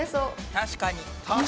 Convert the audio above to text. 確かにね。